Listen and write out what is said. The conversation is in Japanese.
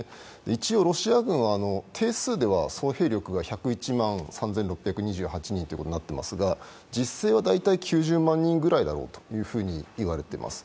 一応、ロシア軍は定数では総兵力が１０１万３６２８人ということになっていますが、実勢は大体９０万人ぐらいだろうと言われています。